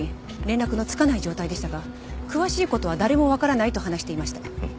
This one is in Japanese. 連絡のつかない状態でしたが詳しい事は誰もわからないと話していました。